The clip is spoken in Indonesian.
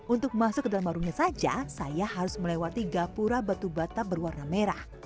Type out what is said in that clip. untuk masuk ke dalam warungnya saja saya harus melewati gapura batu bata berwarna merah